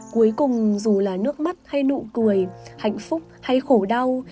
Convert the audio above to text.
cuối cùng dù là nước mắt hay nụ cười hạnh phúc hay khổ đau